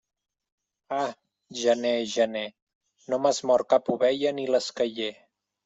Ah, gener, gener, no m'has mort cap ovella ni l'esqueller.